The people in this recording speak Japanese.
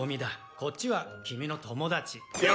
「こっちは君の友達」「よろしく！」